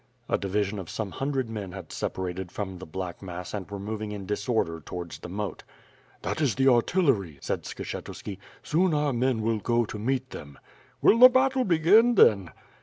A division of some hundred men had separated from the black mass and were moving in disorder towards the moat. "That is the artillery," said Skshetuski. "Soon our men will go to meet them." "Will the battle begin then?"